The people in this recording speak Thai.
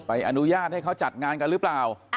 อนุญาตให้เขาจัดงานกันหรือเปล่า